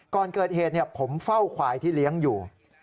ก่อนเกิดเหตุผมเฝ้าควายที่เลี้ยงอยู่